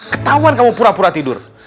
ketahuan kamu pura pura tidur